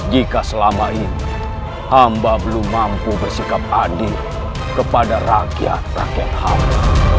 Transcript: jika selama ini hamba belum mampu bersikap adil kepada rakyat rakyat hamba